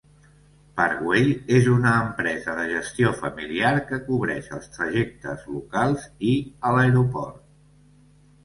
Parkway és una empresa de gestió familiar que cobreix els trajectes locals i a l'aeroport.